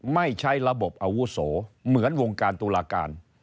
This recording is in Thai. ไม่ใช้ระบบอาวุโสเหมือนวงการตุลาการ